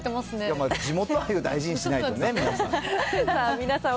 地元愛は大事にしないとね、皆さん。